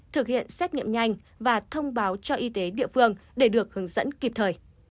thực hiện xét nghiệm nhanh và thông báo cho y tế địa phương để được hướng dẫn kịp thời